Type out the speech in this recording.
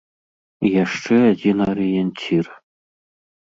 І яшчэ адзін арыенцір.